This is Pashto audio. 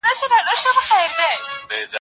ایږدو د دوی په نوم هلته ګلونه پراټک